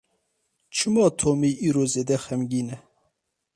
Çima Tomî îro zêde xemgîn e?